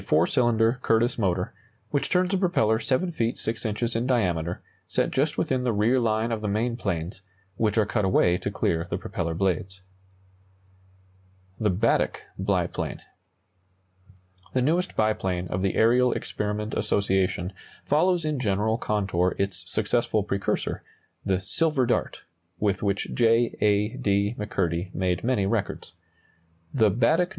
] The motive power is a 4 cylinder Curtiss motor, which turns a propeller 7 feet 6 inches in diameter, set just within the rear line of the main planes, which are cut away to clear the propeller blades. THE BADDECK BIPLANE. The newest biplane of the Aerial Experiment Association follows in general contour its successful precursor, the "Silver Dart," with which J. A. D. McCurdy made many records. The "Baddeck No.